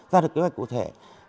ra được kế hoạch cụ thể